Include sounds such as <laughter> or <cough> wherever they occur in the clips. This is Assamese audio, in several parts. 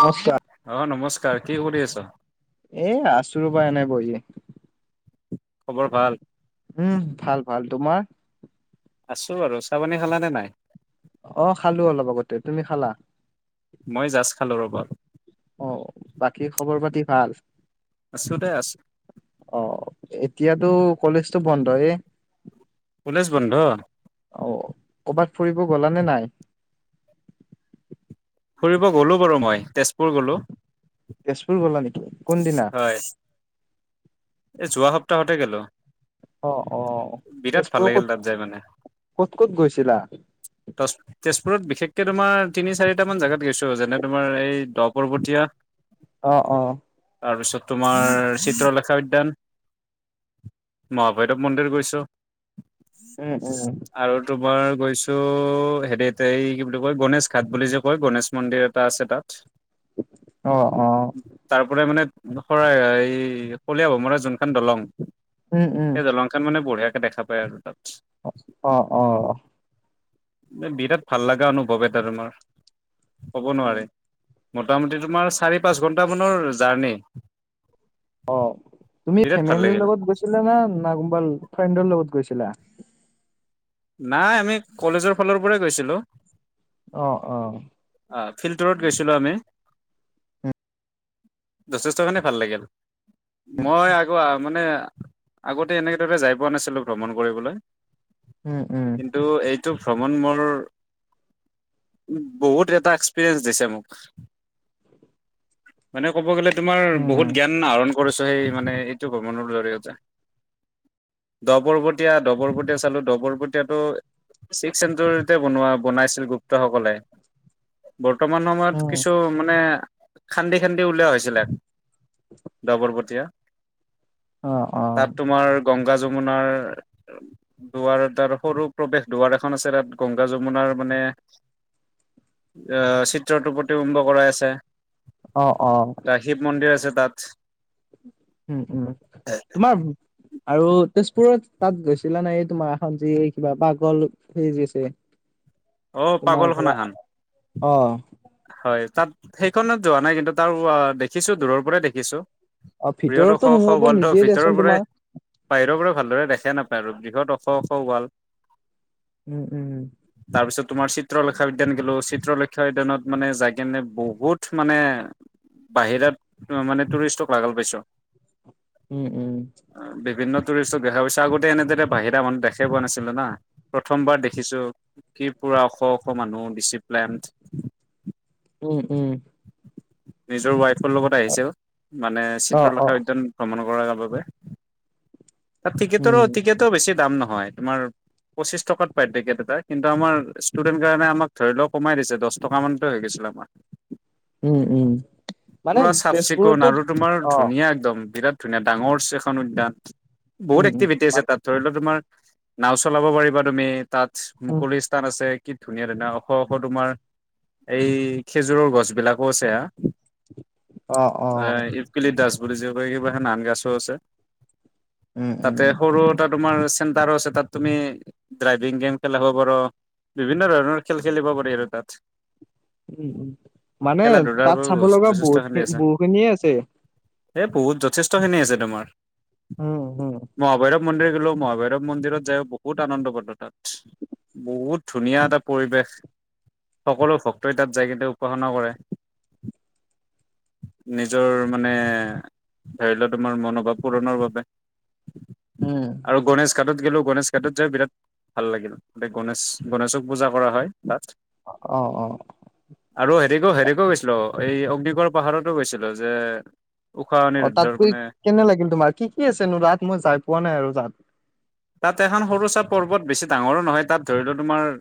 নমস্কাৰ অ নমস্কাৰ কি কৰি আছা এ আছো ৰবা এনেই বহি। খবৰ ভাল? উম ভাল ভাল তোমাৰ আছো বাৰু চাপানী খালানে নাই? অ খালো অলপ আগতে, তুমি খালা? মই জাষ্ট খালো ৰব অ বাকী খবৰ পাতি ভাল? আছো দে আছো অ এতিয়াতো কলেজতো বন্ধয়ে কলেজ বন্ধ। অ কবাত ফুৰিব গলা নে নাই? ফুৰিব গলো বাৰু মই তেজপুৰ গলো। তেজপুৰ গলা নেকি কোনদিনা? হয় এই যোৱা সপ্তাহতে গেলো অ অ তেজপুৰৰ ক'ত লাগিল তাত যাই মানে ক'ত ক'ত গৈছিলা? তজ তেজপুৰত বিশেষকে তোমাৰ তিনি চাৰি টামান জেগাত গৈছো যেনে তোমাৰ এই দহ পৰ্বতীয়া অ অ তাৰপিছত তোমাৰ চিত্ৰলেখা উদ্যান মহাভৈৰৱ মন্দিৰ গৈছো উম উম আৰু তোমাৰ গৈছো হেৰি এই কি বুলি কয় গনেশ ঘাট বুলি যে হয় গণেশ মন্দিৰ এটা আছে তাত অ অ তাৰ পৰাই মানে শৰা এই কলীয়া ভোমোৰা যোনখন দলং উম উম সেই দলং খন মানে বঢ়িয়াকে দেখা পায় আৰু তাত অ অ এ বিৰাট ভাল লগা অনুভৱ এটা তোমাৰ ক'ব উম নোৱাৰে মোটামুটি তোমাৰ চাৰি পাঁচ ঘণ্টামানৰ জাৰ্ণি অ তুমি বিৰাট ভাল ফেমিলিৰ লাগিল। লগত গৈছিলা না না কোনবা ফ্ৰেণ্ডৰ লগত গৈছিলা নাই আমি কলেজৰ ফালৰ পৰাই গৈছিলো অ অ অ ফিল্টাৰত গৈছিলো আমি যথেষ্টখনে ভাল লাগিল। মই আকৌ মানে আগতে এনেদৰে যাই পোৱা নাছিলোঁ ভ্ৰমণ কৰিবলৈ উম উম কিন্তু এইটো ভ্ৰমণ মোৰ বহুত এটা এক্সপিৰিয়েঞ্চ দিছে মোক। মানে ক'ব গ'লে তোমাৰ উম বহুত জ্ঞান আহৰণ কৰিছো সেই মানে এইটো ভ্ৰমণৰ জৰিয়তে ডপৰবটীয়া ডপৰবটীয়া চালো ডপৰব টীয়াটো ছিক্স চেঞ্চৰিতে বনোৱা বনাইছিল গুপ্তসকলে বৰ্তমান সময়ত উম, কিছু মানে খান্দি খান্দি উলিওৱা হৈছিলে ডপৰবটিয়া। অ', অ', তাত তোমাৰ গংগা যমুনাৰ দুৱাৰদাৰ সৰু প্ৰৱেশ দুৱাৰ এখন আছে তাত গংগা যমুনাৰ মানে চিত্ৰটো প্ৰতিবিম্ব কৰাই আছে অ অ ৰাশিৱ মন্দিৰ আছে তাত উম উম তোমাৰ আৰু তেজপুৰত তাত গৈছিলা নাই এই তোমাৰ এখন যি কিবা পাগল সি আছে <inaudible> তোমাৰ ধৰা পাগলখনাখান অ হয় তাত সেইখনত যোৱা নাই কিন্তু তাৰ দেখিছো দূৰৰ পৰাই দেখিছো অ', প্ৰিয়টো ভিতৰতো শ শ সোমাব ৱৰ্ল্ডৰ নিদিয়ে দিয়াচোন ভিতৰৰ পৰাই তোমাৰ বাহিৰৰ পৰা ভালদৰে দেখাই নাপায় আৰু বৃহৎ ওখ ওখ ওৱাল উম উম উম তাৰ পিছত তোমাৰ চিত্ৰলেখা উদ্যান গেলোঁ চিত্ৰলেখা উদ্যানত মানে যায় কেনে বহুত মানে বাহিৰত মানে টুৰিষ্টক পাগল পাইছ উম উম বিভিন্ন টুৰিষ্টক দেখা পাইছা আগতে এনেদৰে বাহিৰা মানুহ দেখাই পোৱা নাছিলো না প্ৰথমবাৰ দেখিছো কি পুৰা শ শ মানুহ ডিচিপ্লেন উম উম নিজৰ ৱাইফৰ লগত আহিছোঁ মানে অ', চিত্ৰলেখা অ', উদ্যান ভ্ৰমণ কৰাৰ বাবে তাত উম, টিকেটৰো টিকেটৰ বেছি দাম নহয় তোমাৰ পঁচিশ টকাত পায় পেকেট এটা কিন্তু আমাৰ ষ্টুডেন্ট কাৰণে আমাক ধৰি লও কমাই দিছে দহ টকা মানতে হৈ গৈছিলে <unintelligible> উম উম মানে পুৰা চাফ চিকুণ তেজপুৰতো আৰু তোমাৰ অ', ধুনীয়া একদম বিৰাট ধুনীয়া ডাঙৰ এখন উদ্যান বহুত উম, উম, এক্টিভিটি আছে মান তাত ধৰি লও তোমাৰ নাও চলাব পাৰিবা তুমি তাত উম, মুকলি স্থান আছে কি ধুনীয়া ধুনীয়া ওখ ওখ তোমাৰ এই খেজুৰৰ গছ বিলাক গছ এয়া অ', অ', <unintelligible> দাস বুলি যে কয় কিবা নান গাছো আছে উম, উম, তাতে সৰু এটা তোমাৰ চেণ্টাৰ আছে তাত তুমি ড্ৰাইভিং গেম খেলাব পৰ বিভিন্ন ধৰণৰ খেল খেলিব পাৰি আৰু তাত উম উম মানে খেলা ধূলাৰ তাত চাব লগা বহুতখিনি বহু খিনিয়ে আছে এ বহুত যথেষ্টখিনি আছে তোমাৰ উম হু মহাভৈৰৱ মন্দিৰ গেলো মহাভৈৰৱ মন্দিৰত যাইও বহুত আনন্দ পালো তাত বহুত ধুনীয়া এটা পৰিৱেশ সকলো ভক্তই তাত যাই কিনে উপাসনা কৰে নিজৰ মানে ধৰি লওক তোমাৰ মনোভাৱ পূৰণৰ বাবে উম। আৰু গণেশ ঘাটত গ'লেও গণেশ ঘাটত যায় বিৰাট ভাল লাগিল, গণেশ গণেশক পূজা কৰা হয় তাত। অ অঁ আৰু হেৰিক হেৰি কৈ গৈছিলো, এই অগ্নিগড় পাহাৰতো গৈছিলো যে উষা অ অনিৰুদ্ধৰ তাত গৈ মানে কেনে লাগিল তোমাৰ? কি কি আছেনো তাত? মই যাই পোৱা নাই আৰু তাত। তাত এখন সৰু চ পৰ্বত বেছি ডাঙৰো নহয় তাত ধৰিলও তোমাৰ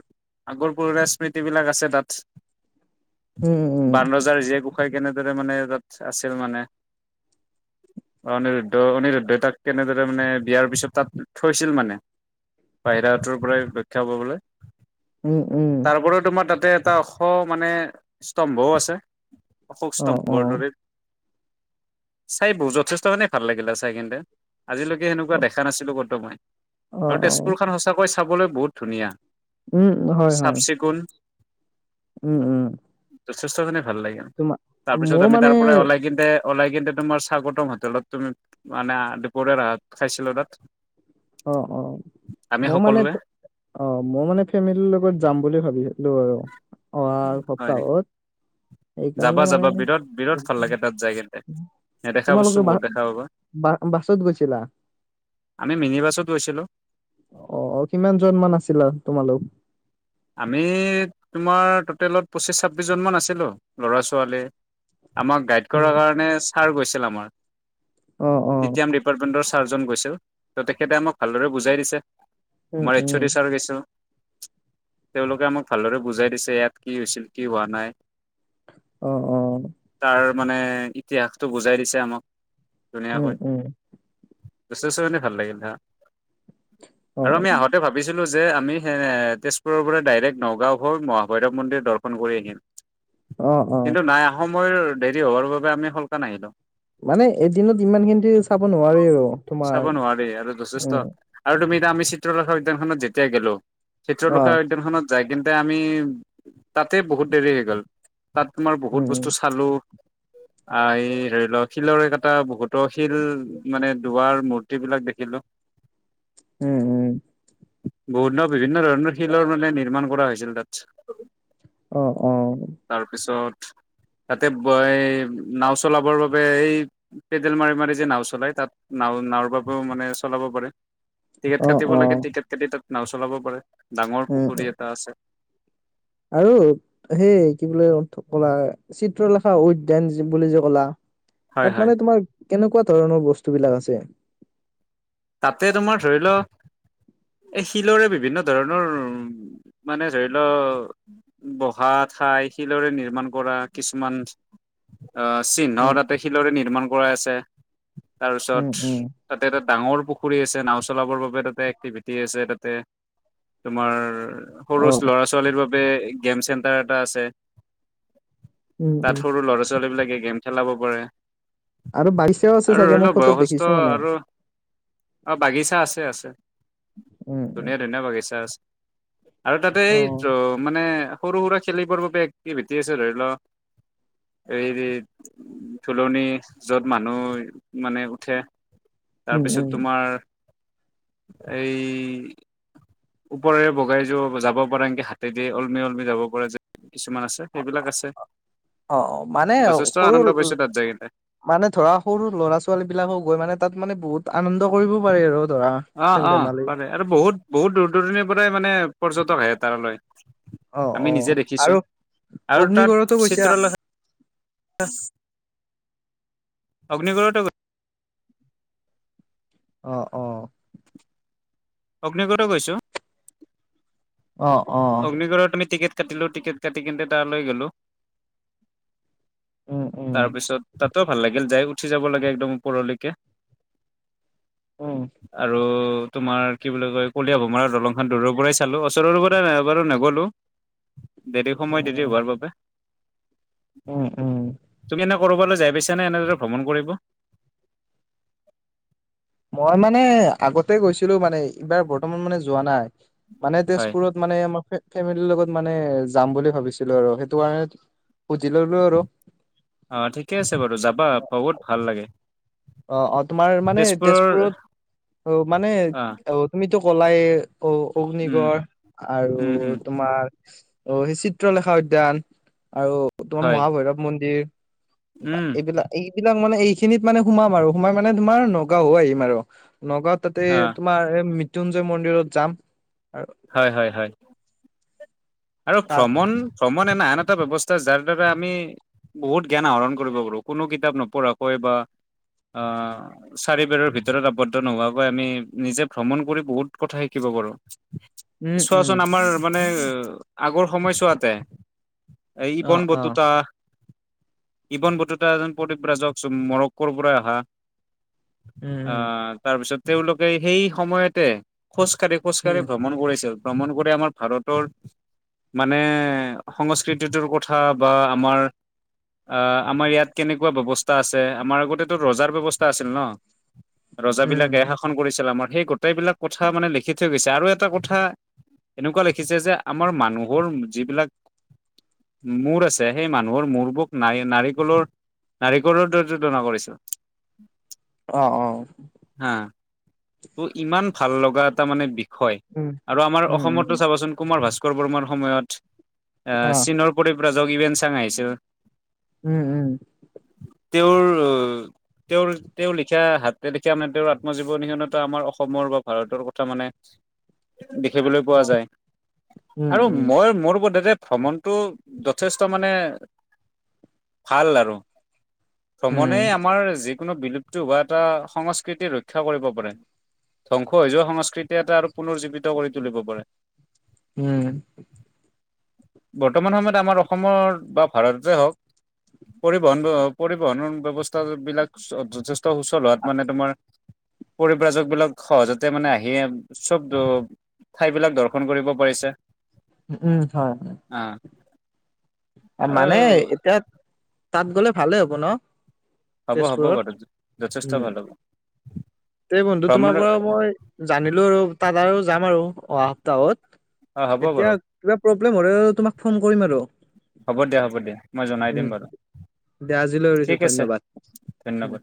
আগৰ পুৰণা স্মৃতিবিলাক আছে তাত। উম উম উম। বানৰজাৰ জীয়েক উষাই কেনেদৰে মানে তাত আছিল মানে। অ অনিৰুদ্ধ অনিৰুদ্ধই তাক কেনেদৰে মানে বিয়াৰ পিছত তাত থৈছিল মানে, বাহিৰাটোৰ পৰাই ৰক্ষা কৰিবলে উম উম। তাৰপৰা তোমাৰ তাতে এটা ওখ মানে স্তম্ভও আছে। অশোক অ অ স্তম্ভৰ দৰে। চাই ব যথেষ্ট মানে ভাল লাগিলে চাই কিনে, আজিলৈকে এনেকুৱা দেখা নাছিলো একদম, অ আৰু অ তেজপুৰ খন সঁচাকৈ চাবলৈ বহুত ধুনীয়া। উম হয় হয়। কোন উম উম যথেষ্টখিনি ভাল লাগিল, তোমাৰ তাৰপিছত মোৰ আমি মানে তাৰ পৰা ওলাই কিনে ওলাই কিন্তু তোমাৰ স্বাগটম হোটেলত তুমি মানে দুপৰ ভাত খাইছিলো তাত। অঁ অঁ আমি মোৰ মানে সকলোৱে অঁ মই মানে ফেমিলিৰ লগত যাম বুলি ভাবিছিলো আৰু অহা হয় নি সপ্তাহত। যাবা এইকাৰণে মানে যাবা বিৰাট বিৰাট ভাল স লাগে তাত যাই কিন্তে নেদেখা বস্তু তোমালোকে বা বহুত দেখা পাবা। বা বাছত গৈছিলা? আমি মিনি বাছত গৈছিলোঁ। অ কিমান জন মান আছিলা তোমালোক? আমি তোমাৰ টটেলত পঁচিছ ছাব্বিছজনমান আছিলোঁ ল'ৰা ছোৱালী। আমাক গাইড কৰাৰ কাৰণে ছাৰ গৈছিল আমাৰ অ অ তেতিয়া ডিপাৰ্টমেণ্টৰ ছাৰজন গৈছিল, ত' তেখেতে আমাক ভালদৰে বুজাই দিছে উম আমাৰ এইচ উম অ' ডি ছাৰো গৈছিল। তেওঁলোকে আমাক ভালদৰে বুজাই দিছে ইয়াত কি হৈছিল কি হোৱা নাই। অঁ অঁ। তাৰ মানে ইতিহাসটো বুজাই দিছে আমাক উম ধুনীয়াকৈ। উম যথেষ্ট খিনি ভাল লাগিল তাত, অ আৰু আমি আহত ভাবিছিলো যে আমি তেজপুৰ পৰা ডাইৰেক্ট নগাঁও হৈ মহাভৈৰৱ মন্দিৰ দৰ্শন কৰি আহিম অ অ কিন্তু নাই সময়ৰ দেৰি হোৱাৰ বাবে আমি সোণকালে আহিলোঁ। মানে এদিনত ইমান খিনিতে চাব নোৱাৰি আৰু চাব তোমাৰ নোৱাৰি আৰু যথেষ্ট উম আৰু তুমি এতিয়া আমি চিত্ৰলেখা উদ্যানখনত যেতিয়া গলোঁ, অ উদ্যানখত যায় কিনে আমি তাতে বহুত দেৰি হৈ গ'ল। তাত তোমাৰ বহুত উম বস্তু চালো। আহ এই ধৰি লও শিলৰ ক এটা বহুতো শিল মানে দুৱাৰ মূৰ্তি বিলাক দেখিলো। <inaudible> উম উম বহুন বিভিন্ন ধৰণৰ শিলৰ মলে নিৰ্মাণ কৰা হৈছিল তাত। অঁ অঁ তাৰপিছত তাতে নাও চলাবৰ বাবে এই পেডেল মাৰি মাৰি যে নাও চলাই, তাত নাও নাওৰ বাবেও মানে চলাব পাৰে। টিকেট অ কাটিব অ লাগে টিকেট কাটি তাত নাও চলাব পাৰে ডাঙৰ উম পুখুৰী এটা আছে। আৰু সেই কি বুলি কলা চিত্ৰলেখা উদ্যান বুলি যে কলা হয় তাত হয়। মানে তোমাৰ কেনেকুৱা ধৰণৰ বস্তু বিলাক আছে? তাতে তোমাৰ ধৰি ল এই শিলৰে বিভিন্ন ধৰণৰ উ মানে ধৰি ল বহা ঠাই শিলৰে নিৰ্মাণ কৰা কিছুমান আহ চিহ্ন উম তাতে শিলৰে নিৰ্মাণ কৰাই আছে। উম তাৰপিছত উম তাতে এটা ডাঙৰ পুখুৰী আছে নাও চলাবৰ বাবে তাতে এক্টিভিটি আছে তাতে তোমাৰ সৰু অ ল'ৰা ছোৱালীৰ বাবে গেম চেণ্টাৰ এটা আছে। উম উম তাত সৰু ল'ৰা ছোৱালী বিলাকে গেম খেলাব পাৰে। বাগিচাও আছে আৰু চাগে ধৰি মই লও ফটোত দেখিছো বয়সস্থ মানে আৰু অ বাগিচা আছে আছে। উম উম ধুনীয়া ধুনীয়া বাগিচা আছে। আৰু তাতে অ এই মানে সৰু সুৰা খেলিবৰ বাবে একটি ভেটি আছে ধৰি ল এইৰেত ধুলনি য'ত মানুহ মানে উঠে উম তাৰপিছত উম আৰ এই ওপৰে বগাই যাব পৰা এনকে হাতে দি ওলমি ওলমি যাব পৰা যে কিছুমান আছে। সেইবিলাক আছে অ অ মানে যথেষ্ট সৰু আনন্দ পাইছো তাত যায় কিনে। মানে ধৰা সৰু ল'ৰা ছোৱালী বিলাকো গৈ মানে তাত মানে বহুত আনন্দ কৰিব পাৰে আৰু ধৰা। অ খেল অ ধেমালি পাৰে আৰু বহুত বহুত দূৰ দূৰণিৰ পৰাই মানে পৰ্যটক আহে তাৰলৈ অ অ আমি নিজে আৰু দেখিছো আৰু অগ্নিগড়তো তাত গৈছা চিত্ৰলেখা অগ্নিগড়টো অ অ। অগ্নিগড়টো গৈছোঁ। অ অ। অগ্নিগড়ত আমি টিকেট কাটিলো টিকেট কাটি কিনে তালৈ গলোঁ। উম উম তাৰপিছত তাতো ভাল লাগিল যাই উঠি যাব লাগে একদম ওপৰলৈকে। উম। আৰু তোমাৰ কি বুলি কয় কলিয়া ভোমাৰৰ দলংখন দূৰৰ পৰাই চালো ওচৰৰ ৰৰবত তা নাই এবাৰু নগ'লো দেৰি সময় দেৰি হোৱাৰ বাবে। উ উব তুমি এনে কৰবালৈ যাই পাইছা নে এনেদৰে ভ্ৰমণ কৰিব? মই মানে আগতে গৈছিলো মানে এইবাৰ বৰ্তমান মানে যোৱা নাই, মানে হয় তেজপুৰত মানে আমাৰ ফেমিলিৰ লগত মানে যাম বুলি ভাবিছিলো আৰু সেইটো কাৰণে শুধি ললো আৰু। অ ঠিকে আছে বাৰু যাবা বহুত ভাল লাগে। অ অ তোমাৰ মানে তেজপুৰৰ তেজপুৰত অ মানে আহ অ তুমিতো ক'লাই অ উম, অগ্নিগড় আৰু উম, উম, তোমাৰ অ সেই চিত্ৰলেখা উদ্যান আৰু তোমাৰ হয় মহাভৈৰৱ মন্দিৰ বা উম, এইবিলাক এইবিলাক মানে এই খিনিত মানে সোমাম আৰু সোমাই মানে তোমাৰ নগাঁও আহিম আৰু। নগাঁওত তাতে অ' তোমাৰ এ মৃত্যুঞ্জয় মন্দিৰত যাম আৰ- হয় হয় হয় আৰু তাত ভ্ৰমণ ভ্ৰমণ এ নান আন এটা ব্যৱস্থা যাৰ দ্বাৰা আমি বহুত জ্ঞান আহৰণ কৰিব পাৰোঁ কোনো কিতাপ নপঢ়াকৈ বা আহ চাৰিবেৰৰ ভিতৰত আৱদ্ধ নোহোৱাকৈ আমি নিজে ভ্ৰমণ কৰি বহুত কথা শিকিব পাৰোঁ। উম উম চোৱাচোন আমাৰ মানে আগৰ সময় চোৱাতে এই অ অ ইবনবতুতা ইবনবতুতা এজন প্ৰদীপ ৰাজক মৰক্কৰ পৰা অহা আ উম তাৰপিছত তেওঁলোকে সেই সময়তে খোজকাঢ়ি খোজ খোজ কাঢ়ি উম ভ্ৰমণ কৰিছিল। ভ্ৰমণ কৰি আমাৰ ভাৰতৰ মানে সংস্কৃতিটোৰ কথা বা আমাৰ অ আমাৰ ইয়াত কেনেকুৱা ব্যৱস্থা আছে, আমাৰ আগতেটো ৰজাৰ ব্যৱস্থা আছিল ন। উম উম ৰজাবিলাকেহে শাসন কৰিছিল আমাক। সেই গোটেইবিলাক কথা মানে লিখি থ গৈছে আৰু এটা কথা এনেকুৱা লিখিছে যে আমাৰ মানুহৰ যিবিলাক মূৰ আছে সেই মানুহৰ মূৰবোক নাৰ নাৰিকলৰ নাৰিকলৰ দৰে <unintelligible> তুলনা কৰিছে। অ, অ। হা ত' ইমান ভাল লগা এটা মানে বি হয় উম আৰু আমাৰ উম উম অসমতো চাবাচোন কুমাৰ ভাস্কৰ বৰ্মাৰ সময়ত আ অ চীনৰ পৰিব্ৰাজক হিউৱেন চাঙ আহিছিল। হু উম। তেওঁৰ অ তেওঁৰ তেওঁ লিখা হাতে লিখা মানে তেওঁৰ আত্মজীৱনীখনটো আমাৰ অসমৰ বা ভাৰতৰ ক থা মানে দেখিবলৈ অ পোৱা যায় উম আৰু উম মই মোৰ বোধেৰে ভ্ৰমণ টো যথেষ্ট মানে ভাল আৰু। ভ্ৰমণে উম আমাৰ যি কোনো বিলুপ্তি হোৱা এটা সংস্কৃতি ৰক্ষা কৰিব পাৰে। ধ্বংস হৈ যোৱা সংক কৃতি এটা আৰু পুনৰ জীৱিত কৰি তুলিব পাৰে। হুম। বৰ্তমান সময়ত আমাৰ অসমৰ বা ভাৰততে হওঁক পৰিবহন পৰিবহণৰ ব্যৱস্থা বিলাক যথে ত সুচল হোৱাত মানে তোমাৰ পৰিব্ৰাজকবিলাক সহজতে মানে আহ হি চব ঠাই বিলাক দৰ্শন কৰিব পাৰিছে। উম হয়, হয়। আ। অ মানে এতিয়া তাত গলে ভালে হ'ব ন? হ'ব হ'ব তেজপুৰত? বাৰু যথেষ্ট হুম। ভাল হ'ব তে বন্ধু তোমাৰ ভ্ৰমণৰ পৰা মই জানিলো আৰু তাত আৰু যাম আৰু অহা সপ্তাহত। অ হ'ব তেতিয়া বাৰু কিবা প্ৰব্লেম হ'লেটো তোমাক ফোন কৰিম আৰু। হ'ব দিয়া, হ'ব দিয়া। মই জনাই দিম উম, বাৰু। দে আজিলৈ এৰিছো ঠিক আছে, ধন্যবাদ। উম। ধন্যবাদ।